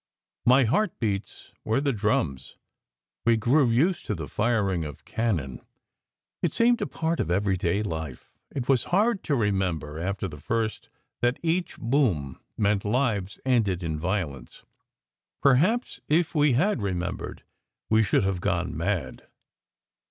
My heartbeats were the drums. We grew used to the firing of cannon. It seemed a part of everyday life. It was hard to remember after the first that each "boom!" meant lives ended in violence. Perhaps if we had remem bered we should have gone mad.